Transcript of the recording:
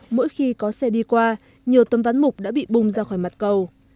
mỗi khi có xe đi qua nhiều tấm ván mục đã bị bung ra khỏi mặt cầu